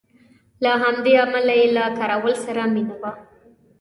له همدې امله یې له کراول سره مینه وه.